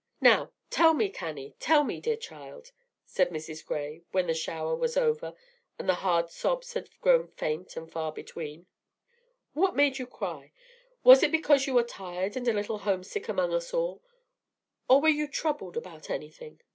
"Now, tell me, Cannie, tell me, dear child," said Mrs. Gray, when the shower was over and the hard sobs had grown faint and far between, "what made you cry? Was it because you are tired and a little homesick among us all, or were you troubled about anything?